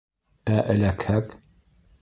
— Ә эләкһәк?